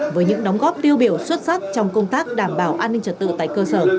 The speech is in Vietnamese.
với những đóng góp tiêu biểu xuất sắc trong công tác đảm bảo an ninh trật tự tại cơ sở